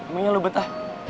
mungkin lo betah